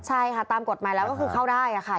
ใช่ค่ะตามกฎหมายแล้วก็คือเข้าได้ค่ะ